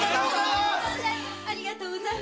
ありがとう。